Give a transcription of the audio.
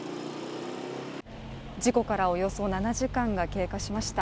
事故からおよそ７時間が経過しました。